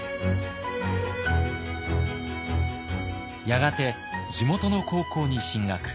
やがて地元の高校に進学。